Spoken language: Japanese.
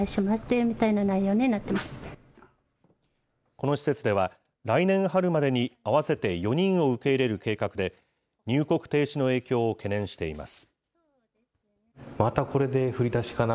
この施設では、来年春までに合わせて４人を受け入れる計画で、入国停止の影響を懸念しています。